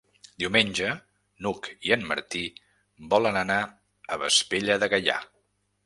Diumenge n'Hug i en Martí volen anar a Vespella de Gaià.